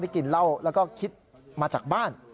กินเหล้าแล้วก็คิดมาจากบ้าน